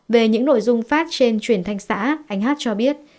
về những nội dung phát trên truyền thanh xã anh hát cho biết